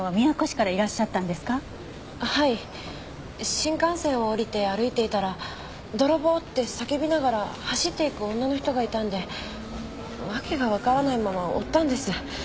新幹線を降りて歩いていたら「泥棒！」って叫びながら走っていく女の人がいたんで訳がわからないまま追ったんです。